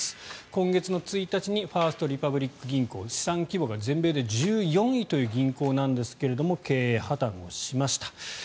今月１日にファースト・リパブリック銀行資産規模が全米で１４位という銀行なんですが経営破たんをしました。